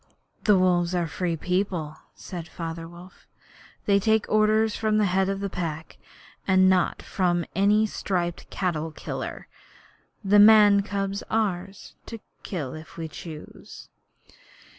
'The Wolves are a free people,' said Father Wolf. 'They take orders from the Head of the Pack, and not from any striped cattle dealer. The man's cub is ours to kill if we choose.'